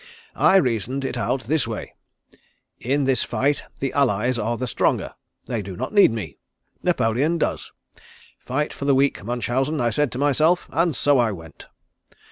I reasoned it out this way: In this fight the allies are the stronger. They do not need me. Napoleon does. Fight for the weak, Munchausen, I said to myself, and so I went.